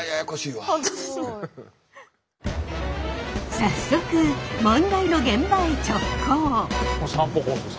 早速問題の現場へ直行！